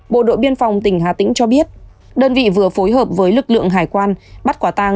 bộ đội biên phòng tỉnh hà tĩnh cho biết đơn vị vừa phối hợp với lực lượng hải quan bắt quả tàng